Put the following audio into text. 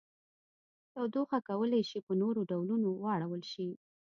تودوخه کولی شي په نورو ډولونو واړول شي.